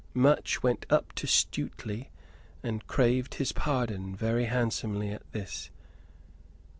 Much went up to Stuteley, and craved his pardon very handsomely at this.